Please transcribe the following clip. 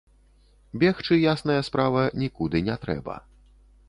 Бегчы, ясная справа, нікуды не трэба.